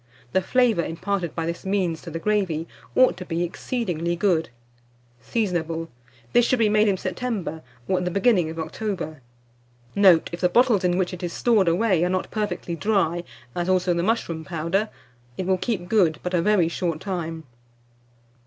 The flavour imparted by this means to the gravy, ought to be exceedingly good. Seasonable. This should be made in September, or at the beginning of October. Note. If the bottles in which it is stored away are not perfectly dry, as, also the mushroom powder, it will keep good but a very short time.